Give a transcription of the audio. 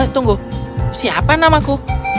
tunggu siapa nama ku